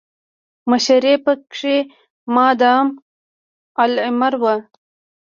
مشري پکې مادام العمر وه.